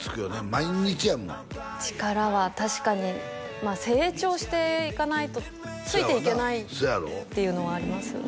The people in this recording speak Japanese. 毎日やもん力は確かにまあ成長していかないとついていけないっていうのはありますね